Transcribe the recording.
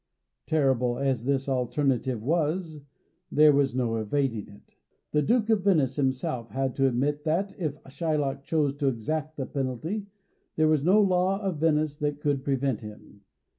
Terrible as this alternative was, there was no evading it. The Duke of Venice himself had to admit that, if Shylock chose to exact the penalty, there was no law of Venice that could prevent him.